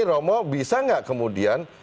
romo bisa gak kemudian